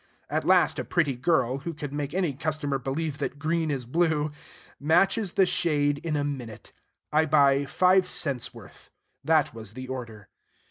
At last a pretty girl, who could make any customer believe that green is blue, matches the shade in a minute. I buy five cents worth. That was the order.